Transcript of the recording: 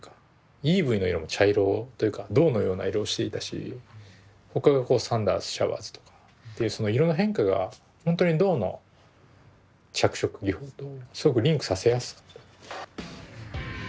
イーブイの色も茶色というか銅のような色をしていたし他がサンダースシャワーズとかっていうその色の変化がほんとに銅の着色技法とすごくリンクさせやすかった。